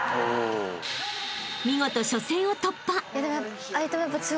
［見事初戦を突破］